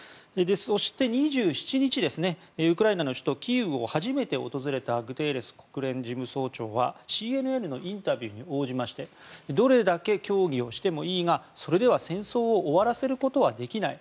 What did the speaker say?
そして、２７日ウクライナの首都キーウを初めて訪れたグテーレス国連事務総長はＣＮＮのインタビューに応じましてどれだけ協議をしてもいいがそれでは戦争を終わらせることはできない。